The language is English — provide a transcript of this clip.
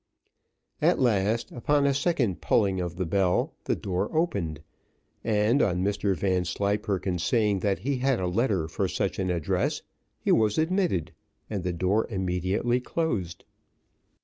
At last, upon a second pulling of the bell, the door opened, and on Mr Vanslyperken saying that he had a letter for such an address, he was admitted, and the door immediately closed.